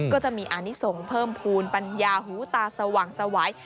ก็จะมีอานิสงฆ์เพิ่มภูมิปัญญาหูตาสว่างสวัย